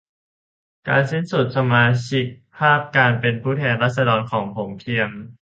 การสิ้นสุดสมาชิกภาพการเป็นผู้แทนราษฎรของผมเพียง